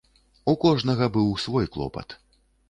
У кожнага быў свой клопат.